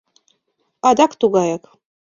Адак тугаяк.